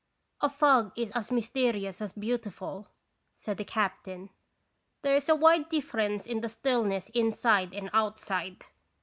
"A fog is as mysterious as beautiful/* said the captain. " There is a wide difference in the stillness inside and outside.